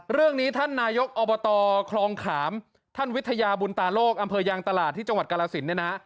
เรื่องนี้ท่านนายกอบตคลองขามท่านวิทยาบุญตาโลกอำเภอยางตลาดที่จังหวัดกาลสินเนี่ยนะ